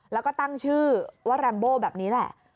แล้วก็ตั้งชื่อว่าแรมโบแบบนี้แหละ